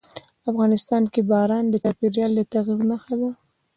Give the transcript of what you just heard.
افغانستان کې باران د چاپېریال د تغیر نښه ده.